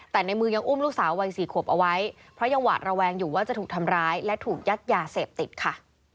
แต่ในมือยังอุ้มลูกสาววัย๔ขวบเอาไว้เพราะยังหวาดระแวงอยู่ว่าจะถูกทำร้ายและถูกยัดยาเสพติดค่ะ